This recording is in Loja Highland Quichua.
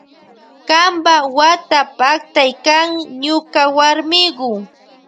Kampa wata paktay kan ñuka warmiku.